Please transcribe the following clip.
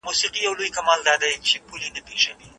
فرد ځان له ټولني څخه لرې احساسوي.